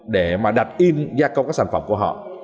để mà đặt in gia công các sản phẩm của họ